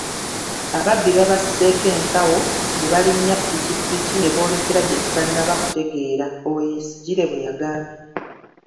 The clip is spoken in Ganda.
“Ababbi babasiseeko ensawo nebalinnya pikipiki neboolekera gyetutannaba kutegeera,” Oweyesigire bweyagambye.